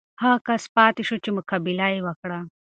هغه کس پاتې شو چې مقابله یې وکړه.